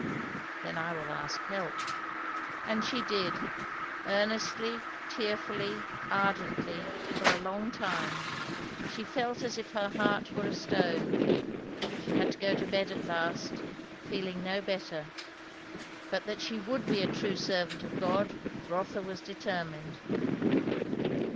Then I will ask help. And she did. Earnestly, tearfully, ardently, for a long time. She felt as if her heart were a stone. She had to go to bed at last, feeling no better. But that she would be a true servant of God, Rotha was determined.